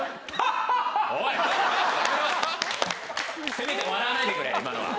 せめて笑わないでくれ今のは。